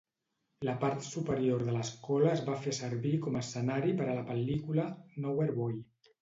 La part superior de l'escola es va fer servir com a escenari per a la pel·lícula "Nowhere Boy".